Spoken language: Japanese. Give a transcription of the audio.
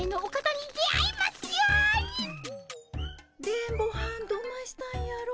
電ボはんどないしたんやろ？